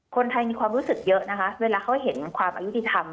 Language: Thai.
คนไทยมีความรู้สึกเยอะนะคะเวลาเขาเห็นความอายุติธรรม